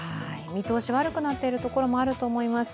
見通し悪くなっているところもあると思います。